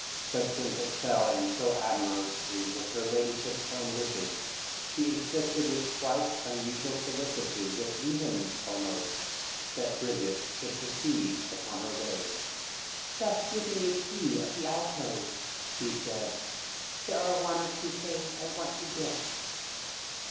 But since it fell in so admirably with her ladyship's own wishes, she insisted with quite unusual solicitude, with vehemence almost, that Bridget should proceed upon her way. "Just give me the key of the alcove," she said. "There are one or two things I want to get."